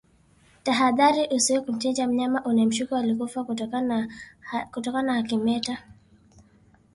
Tahadhari Usiwahi kumchinja mnyama unayemshuku alikufa kutokana na kimeta